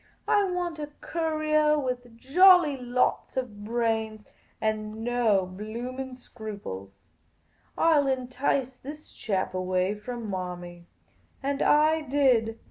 I want a courier with jolly lots of brains and no blooming scruples. I '11 entice this chap away from Marmy.' And I did.